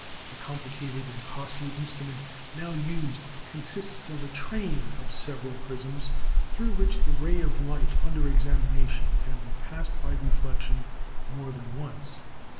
The complicated and costly instrument now used consists of a train of several prisms, through which the ray of light under examination can be passed by reflection more than once.